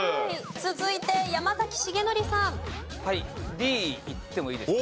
Ｄいってもいいですか？